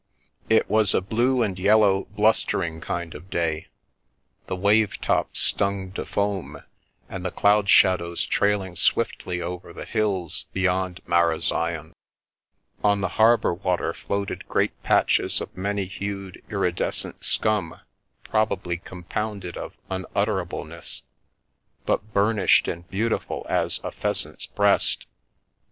It was a blue and yellow, blustering kind of day, the wave tops stung to foam, and the cloud shadows trailing swiftly over the hills beyond Marazion; on the harbour water floated great patches of many hued iridescent scum, probably compounded of unutterableness, but burnished and beau tiful as a pheasant's breast.